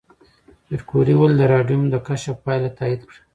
پېیر کوري ولې د راډیوم د کشف پایله تایید کړه؟